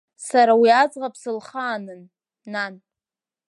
Сара уи аӡӷаб сылхаанын, нан!